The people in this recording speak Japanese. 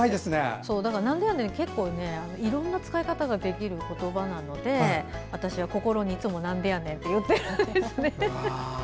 いろんな使い方ができる言葉なので私は心にいつもなんでやねんって言ってるんですね。